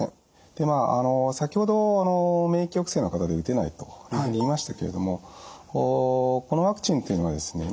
先ほど免疫抑制の方で打てないというふうに言いましたけれどもこのワクチンというのはですね